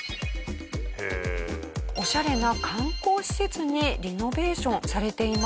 オシャレな観光施設にリノベーションされています。